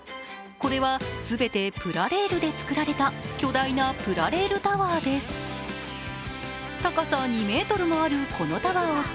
これは全てプラレールで作られた巨大なプラレールタワーです。